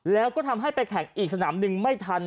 แล้วก็ทำให้ไปแข่งอีกสนามหนึ่งไม่ทัน